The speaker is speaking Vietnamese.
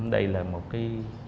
đây là một cái